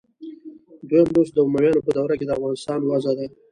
دویم لوست د امویانو په دوره کې د افغانستان وضع ده.